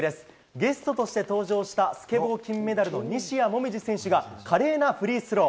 ゲストとして登場したスケボー金メダルの西矢椛選手が華麗なフリースロー。